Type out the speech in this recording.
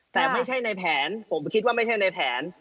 แต่ไม่ใช่ในแผนผมคิดว่าไม่ใช่ในแผน